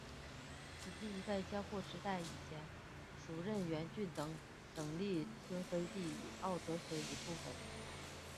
此地在江户时代以前属荏原郡等等力村飞地与奥泽村一部分。